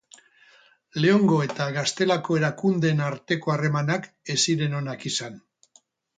Leongo eta Gaztelako erakundeen arteko harremanak ez ziren onak izan.